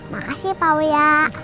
makasih pak wuyah